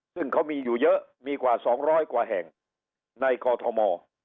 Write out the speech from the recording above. ซึ่งเขามีอยู่เยอะมีกว่า๒๐๐กว่าแห่งในกอทม